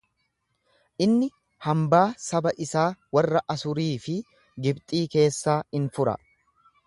Inni hambaa saba isaa warra Asurii fi Gibxii keessaa in fura.